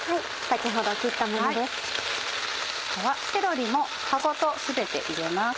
あとはセロリも葉ごと全て入れます。